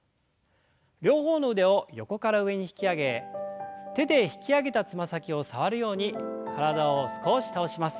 両方の腕を横から上に引き上げ手で引き上げたつま先を触るように体を少し倒します。